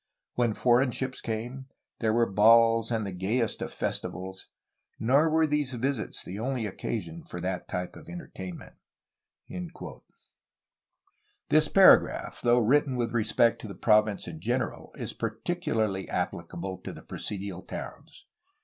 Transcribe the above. When for eign ships came, there were balls and the gayest of festivals, nor were these visits the only occasion for that type of entertainment." This paragraph, though written with respect to the province in general, is particularly applicable to the presidial towns.